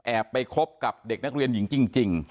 ไปคบกับเด็กนักเรียนหญิงจริง